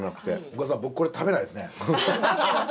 奥田さん僕これ食べないですね。